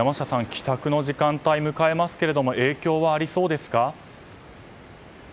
帰宅の時間帯を迎えますが影響はありそうですか？